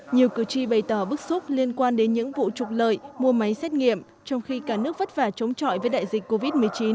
nhiều cử tri bày tỏ bức xúc liên quan đến những vụ trục lợi mua máy xét nghiệm trong khi cả nước vất vả chống trọi với đại dịch covid một mươi chín